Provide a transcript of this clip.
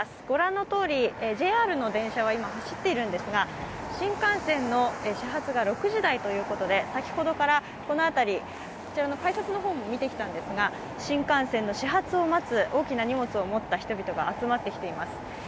御覧のとおりＪＲの電車は今、走っているんですが、新幹線の始発が６時台ということで先ほどからこの辺り、こちらの改札の方も見てきたんですが新幹線の始発を待つ、大きな荷物を持った人が集まってきています。